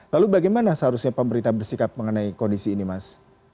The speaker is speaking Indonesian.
lalu bagaimana seharusnya pemerintah bersikap mengenai kondisi ini mas